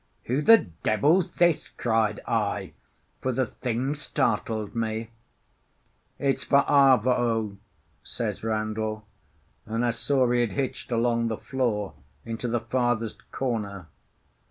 "Who the devil's this?" cried I, for the thing startled me. "It's Fa'avao," says Randall; and I saw he had hitched along the floor into the farthest corner.